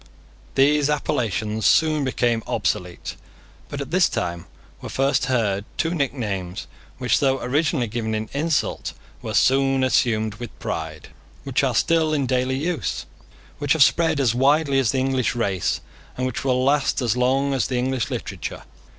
These appellations soon become obsolete: but at this time were first heard two nicknames which, though originally given in insult, were soon assumed with pride, which are still in daily use, which have spread as widely as the English race, and which will last as long as the English literature.